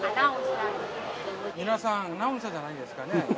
皆さんアナウンサーじゃないですかね